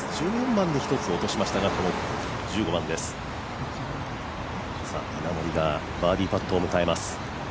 １４番で１つ落としましたがこの１５番です、稲森がバーディーパットを迎えます。